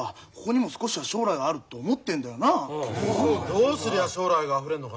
どうすりゃ将来があふれんのかなあ？